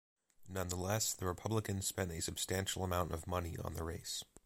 Nonetheless, the Republicans spent a substantial amount of money on the race.